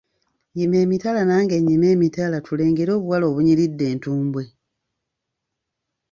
Yima emitala nange nnyime emitala tulengere obuwala obunyiridde entumbwe.